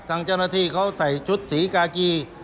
ทางเจ้าหน้าที่เขาใส่ชุดสีกากี